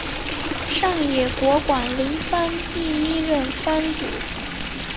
上野国馆林藩第一任藩主。